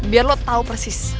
biar lo tau persis